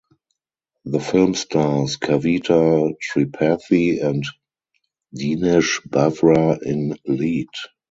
The film stars Kavita Tripathi and Dinesh Bawra in lead.